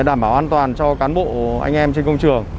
đảm bảo an toàn cho cán bộ anh em trên công trường